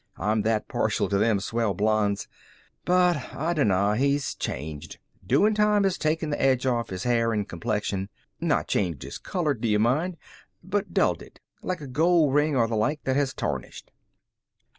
I'm that partial to them swell blondes. But I dinnaw, he's changed. Doin' time has taken the edge off his hair an' complexion. Not changed his color, do yuh mind, but dulled it, like a gold ring, or the like, that has tarnished."